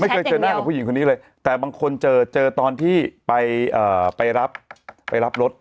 ไม่เคยเจอนางกับผู้หญิงคนนี้เลยแต่บางคนเจอตอนที่ไปรับรถ